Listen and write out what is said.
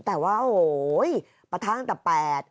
แต่ว่าโอ้โหประทางต่างแต่๘